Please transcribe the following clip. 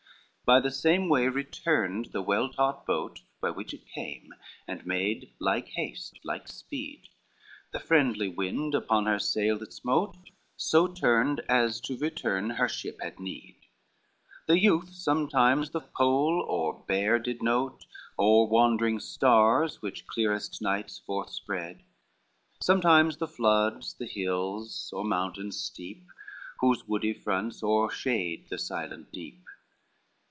LIV By the same way returned the well taught boat By which it came, and made like haste, like speed; The friendly wind, upon her sail that smote, So turned as to return her ship had need: The youth sometimes the Pole or Bear did note, Or wandering stars which dearest nights forthspread: Sometimes the floods, the hills, or mountains steep, Whose woody fronts o'ershade the silent deep.